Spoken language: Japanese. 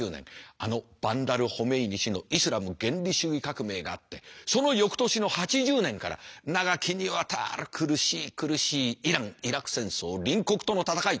あのバンダル・ホメイニ師のイスラム原理主義革命があってその翌年の８０年から長きにわたる苦しい苦しいイラン・イラク戦争隣国との戦い。